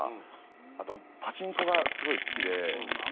あとパチンコがすごい好きで。